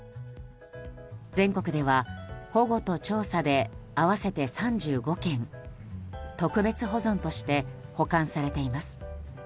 全国では保護と調査で合わせて３５件特別保存として保管されています。